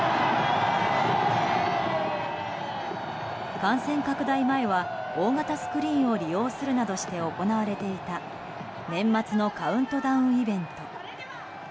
感染拡大前は大型スクリーンを利用するなどして行われていた年末のカウントダウンイベント。